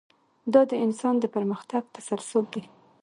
دا د انسان د پرمختګ تسلسل دی.